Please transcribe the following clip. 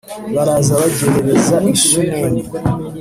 baraza bagerereza i shunemu